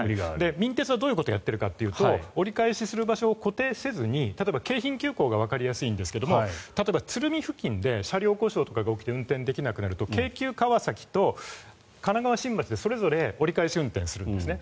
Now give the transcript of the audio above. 民鉄はどういうことをしているかというと折り返しする場所を固定せずに京浜急行がわかりやすいんですが例えば鶴見付近で車両故障とかが起きて、動けなくなると京急川崎と神奈川新町で折り返しするんです。